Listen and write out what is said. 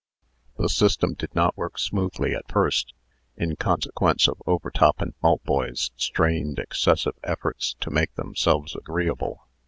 The system did not work smoothly at first, in consequence of Overtop's and Maltboy's strained, excessive efforts to make themselves agreeable.